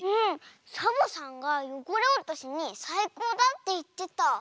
サボさんがよごれおとしにさいこうだっていってた。